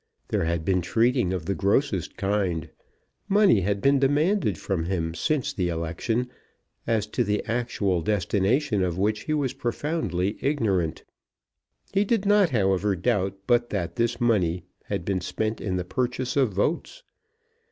There had been treating of the grossest kind. Money had been demanded from him since the election, as to the actual destination of which he was profoundly ignorant. He did not, however, doubt but that this money had been spent in the purchase of votes.